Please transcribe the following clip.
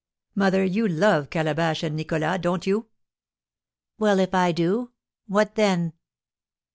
"Mother, you love Calabash and Nicholas, don't you?" "Well, if I do, what then?"